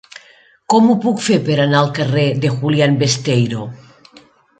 Com ho puc fer per anar al carrer de Julián Besteiro?